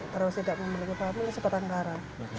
terus tidak memiliki family sempat angkara